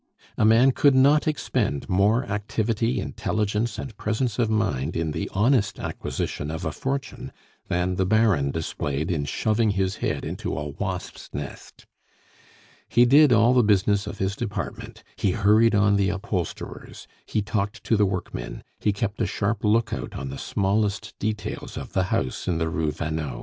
A man could not expend more activity, intelligence, and presence of mind in the honest acquisition of a fortune than the Baron displayed in shoving his head into a wasp's nest: He did all the business of his department, he hurried on the upholsterers, he talked to the workmen, he kept a sharp lookout on the smallest details of the house in the Rue Vanneau.